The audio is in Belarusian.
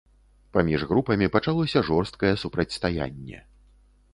Паміж групамі пачалося жорсткае супрацьстаянне.